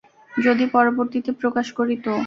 যদি পরবর্তীতে প্রকাশ করি তো?